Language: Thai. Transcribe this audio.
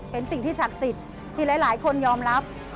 เป็นสิ่งที่ศักดิ์สิทธิ์ที่หลายคนยอมรับ